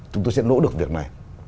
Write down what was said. chúng tôi sẽ nỗ được việc này